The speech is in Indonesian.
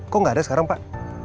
kok nggak ada sekarang pak